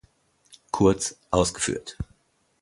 Kurz ausgeführt.